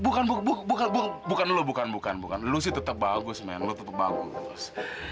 bukanmu bukanmu bukan lo bukan bukan burada si tetap bagus roh bagus